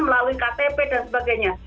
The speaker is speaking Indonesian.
harus mencari ktp dan sebagainya